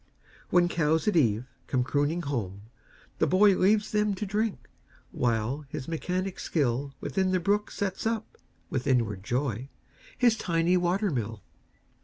When cows at eve come crooning home, the boyLeaves them to drink, while his mechanic skillWithin the brook sets up, with inward joy, His tiny water mill.